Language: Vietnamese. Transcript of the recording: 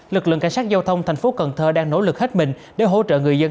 lực lượng cảnh sát giao thông tp cn đang nỗ lực hết mình để hỗ trợ người dân